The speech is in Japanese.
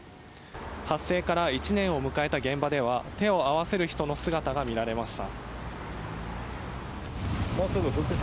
発生から１年を迎えた現場では手を合わせる人の姿が見られました。